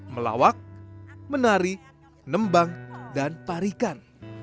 melawak menari nembang dan parikan